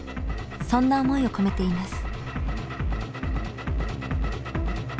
そんな思いを込めています。